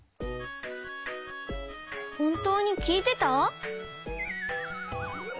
ほんとうにきいてた？